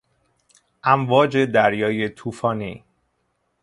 امواج دریای توفانی